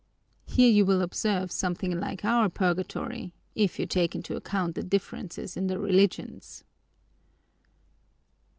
Here you will observe something like our purgatory, if you take into account the differences in the religions."